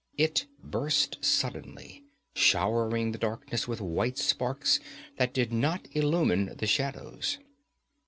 It burst suddenly, showering the darkness with white sparks that did not illumine the shadows.